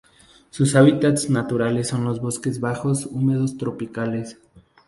Sus hábitats naturales son los bosques bajos húmedos tropicales.